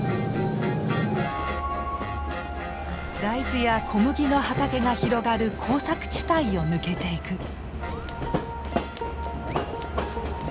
大豆や小麦の畑が広がる耕作地帯を抜けていく。